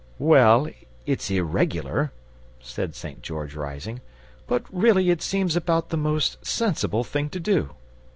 "Well, it's IRREGULAR," said St. George, rising, "but really it seems about the most sensible thing to do.